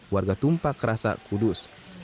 warga tumpak kerasa kudus